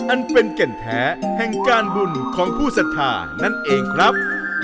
อันเป็นแก่นแท้แห่งการบุญของผู้ศรัทธานั่นเองครับ